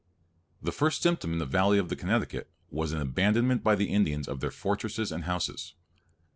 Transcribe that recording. The first symptom in the Valley of the Connecticut, was an abandonment by the Indians of their fortresses and houses.